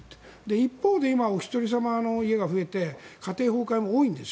一方で、今、おひとりさまの家が増えて家庭崩壊も多いんです。